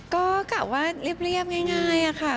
ก็กะว่าเรียบง่ายค่ะ